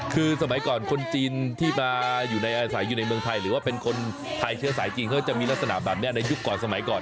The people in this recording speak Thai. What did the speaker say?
คือสมัยก่อนคนจีนที่มาในอาหร่ายสายเมืองไทยจะอาจจะมีลักษณะแบบนี้ในยุคสมัยก่อน